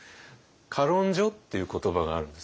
「歌論書」っていう言葉があるんですね。